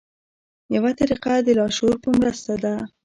یوه طریقه د لاشعور په مرسته ده.